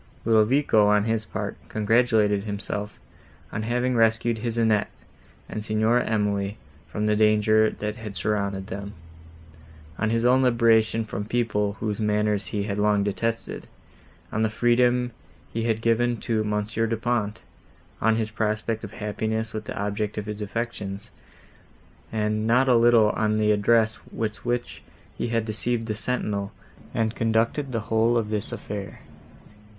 Ludovico, on his part, congratulated himself, on having rescued his Annette and Signora Emily from the danger, that had surrounded them; on his own liberation from people, whose manners he had long detested; on the freedom he had given to Monsieur Du Pont; on his prospect of happiness with the object of his affections, and not a little on the address, with which he had deceived the sentinel, and conducted the whole of this affair.